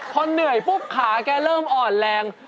พอเหนื่อยปุ๊บขาแกเริ่มอ่อนแรง